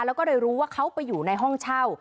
แล้วก็เลยรู้ว่าเขาไปอยู่ในห้องเช่า